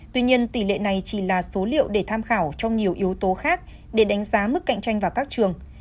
tuy nhiên tỷ lệ này chỉ là số liệu để tham khảo trong nhiều yếu tố khác để đánh giá mức cạnh tranh vào các trường